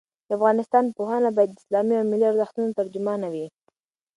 د افغانستان پوهنه باید د اسلامي او ملي ارزښتونو ترجمانه وي.